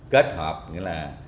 kết hợp nghĩa là